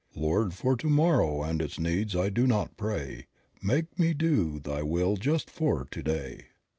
"Lord, for to morrow and its needs I do not pray, Make me to do thy will just for to day."